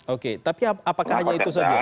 oke tapi apakah hanya itu saja